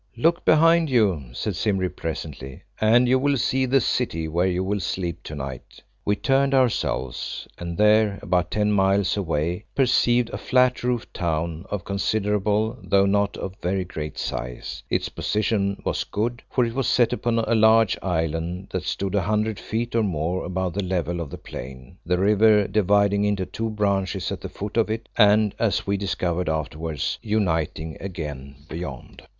"Look behind you," said Simbri presently, "and you will see the city where you will sleep to night." We turned ourselves, and there, about ten miles away, perceived a flat roofed town of considerable, though not of very great size. Its position was good, for it was set upon a large island that stood a hundred feet or more above the level of the plain, the river dividing into two branches at the foot of it, and, as we discovered afterwards, uniting again beyond.